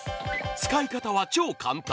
使い方は超簡単。